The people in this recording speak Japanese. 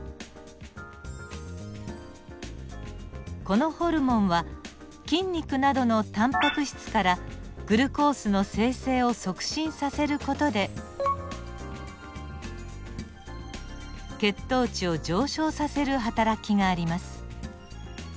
このホルモンは筋肉などのタンパク質からグルコースの生成を促進させる事で血糖値を上昇させるはたらきがあります。